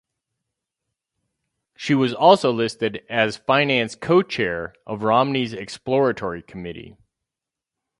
She was also listed as finance co-chair of Romney's exploratory committee.